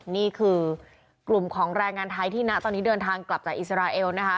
นี่คือกลุ่มของแรงงานไทยที่นะตอนนี้เดินทางกลับจากอิสราเอลนะคะ